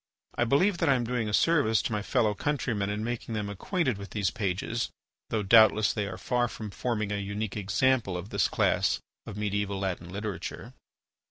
I believe that I am doing a service to my fellow countrymen in making them acquainted with these pages, though doubtless they are far from forming a unique example of this class of mediaeval Latin literature.